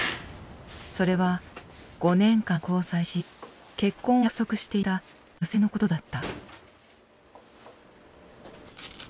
それは５年間交際し結婚を約束していた女性の事だった。